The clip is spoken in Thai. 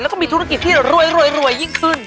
แล้วก็มีธุรกิจที่รวยยิ่งขึ้น